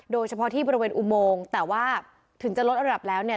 โดยเฉพาะที่บริเวณอุโมงแต่ว่าถึงจะลดระดับแล้วเนี่ย